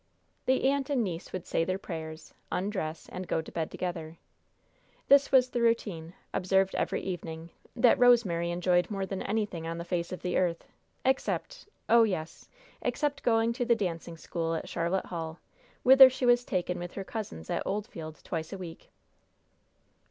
The aunt and niece would say their prayers, undress, and go to bed together. This was the routine, observed every evening, that Rosemary enjoyed more than anything on the face of the earth, except oh, yes! except going to the dancing school at Charlotte Hall, whither she was taken with her cousins at Oldfield twice a week.